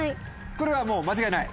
これはもう間違いない？